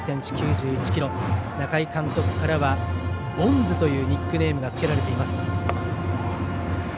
中井監督からは、ボンズというニックネームがつけられています。